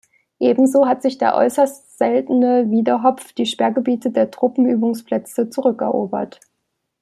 Ebenso hat sich der äußerst seltene Wiedehopf die Sperrgebiete der Truppenübungsplätze zurückerobert.